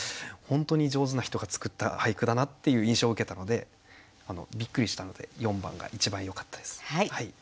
本当に上手な人が作った俳句だなっていう印象を受けたのでびっくりしたので４番が一番よかったです。